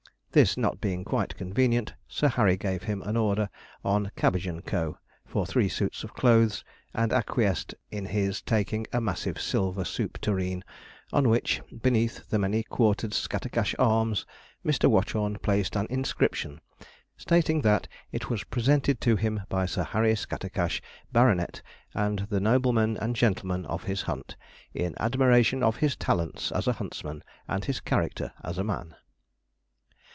This not being quite convenient, Sir Harry gave him an order on 'Cabbage and Co.' for three suits of clothes, and acquiesced in his taking a massive silver soup tureen, on which, beneath the many quartered Scattercash arms, Mr. Watchorn placed an inscription, stating that it was presented to him by Sir Harry Scattercash, Baronet, and the noblemen and gentlemen of his hunt, in admiration of his talents as a huntsman and his character as a man.